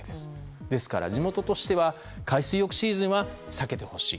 ですから地元としては海水浴シーズンは避けてほしい。